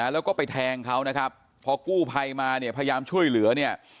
แล้วก็ไปแทงเขานะครับพอกู้ภัยมาเนี่ยพยายามช่วยเหลือเนี่ย